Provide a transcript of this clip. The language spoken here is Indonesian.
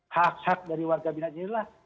hak hak dari warga binaan inilah